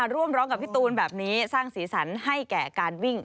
ร่วมร้องกับพี่ตูนแบบนี้สร้างสีสันให้แก่การวิ่ง